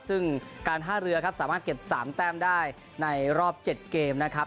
ซึ่งการท่าเรือครับสามารถเก็บ๓แต้มได้ในรอบ๗เกมนะครับ